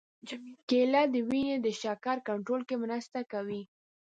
کېله د وینې د شکر کنټرول کې مرسته کوي.